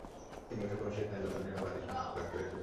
তিন বছর বয়সে তাই লভরেনের বাবা-মা দেশ ত্যাগ করে গেলেন জার্মানিতে।